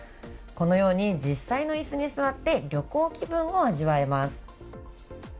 このように実際の椅子に座って旅行気分を味わえます。